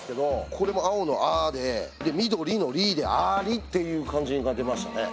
これも青の「あ」で緑の「り」で「アリ」っていう感じが出ましたね。